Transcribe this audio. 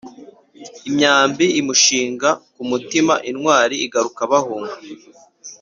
Imyambi imushinga ku mutimaIntwari igaruka bahunga